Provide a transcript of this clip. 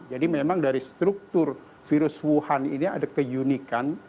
jadi memang dari struktur virus wuhan ini ada keunikan